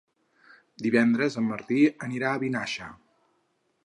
Divendres en Martí anirà a Vinaixa.